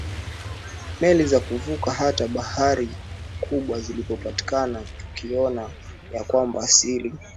meli za kuvuka hata bahari kubwa zilipopatikana Tukiona ya kwamba asili